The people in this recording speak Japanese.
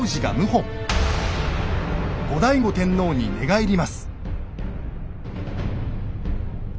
後醍醐天皇に寝返ります。